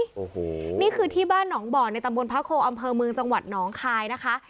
โอ้โหนี่คือที่บ้านหนองบ่อในตำบลพระโคอำเภอเมืองจังหวัดหนองคายนะคะ